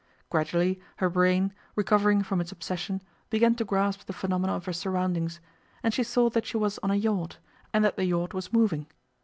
Gradually her brain, recovering from its obsession, began to grasp the phenomena of her surroundings, and she saw that she was on a yacht, and that the yacht was moving.